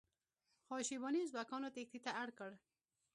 خو شیباني ازبکانو تیښتې ته اړ کړ.